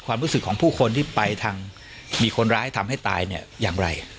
ความรู้สึกของผู้คนที่ไปทางมีคนร้ายทำให้ตายเนี่ยอย่างไร